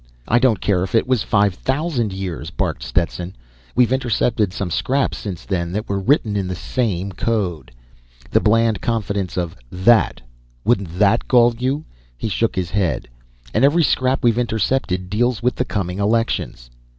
"I don't care if it was five thousand years!" barked Stetson. "We've intercepted some scraps since then that were written in the same code. The bland confidence of that! Wouldn't that gall you?" He shook his head. "And every scrap we've intercepted deals with the coming elections."